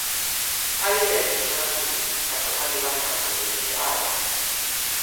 pali len li kama pini, taso pali wan taso li pini ala.